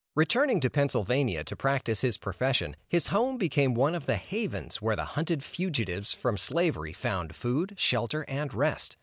Returning to Pennsylvania, to practice his profession, his home became one of the havens where the hunted fugitive from Slavery found food, shelter and rest.